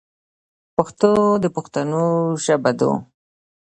پښتو د پښتنو ژبه دو.